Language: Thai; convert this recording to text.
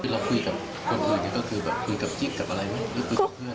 แล้วคุยกับคนอื่นก็คือแบบคุยกับจิ๊กกับอะไรไหมหรือคุยกับเพื่อน